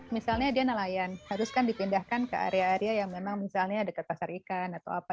misalnya dia nelayan harus kan dipindahkan ke area area yang memang misalnya dekat pasar ikan atau apa